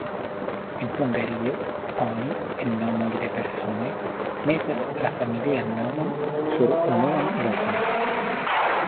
En Hungario, oni en nomoj de personoj metas la familian nomon sur unuan lokon.